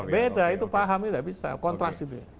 beda itu pahamnya tidak bisa kontras itu ya